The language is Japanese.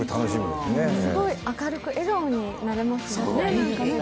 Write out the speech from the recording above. すごい明るく、笑顔になれますよね。